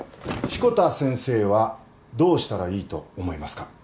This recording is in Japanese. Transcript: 志子田先生はどうしたらいいと思いますか？